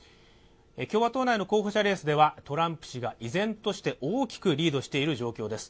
共和党内の候補者レースではトランプ氏が依然として大きくリードしている状況です。